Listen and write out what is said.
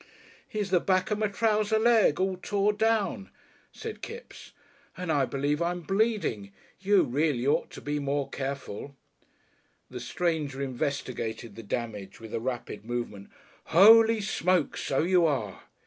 "Here's the back of my trouser leg all tore down," said Kipps, "and I believe I'm bleeding. You reely ought to be more careful " The stranger investigated the damage with a rapid movement. "Holy Smoke, so you are!"